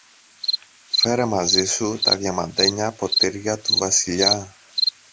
Φέρε μαζί σου τα διαμαντένια ποτήρια του Βασιλιά